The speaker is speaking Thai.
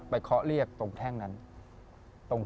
เคาะเรียกตรงแท่งนั้น